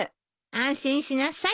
安心しなさい。